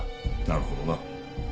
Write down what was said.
なるほどな。